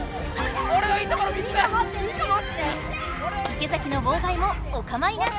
池崎の妨害もおかまいなし！